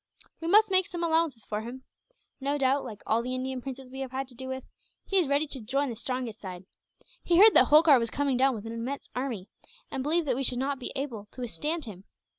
"We must make some allowances for him. No doubt, like all the Indian princes we have had to do with, he is ready to join the strongest side. He heard that Holkar was coming down with an immense army, and believed that we should not be able to withstand him.